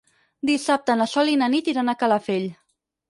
Dissabte na Sol i na Nit iran a Calafell.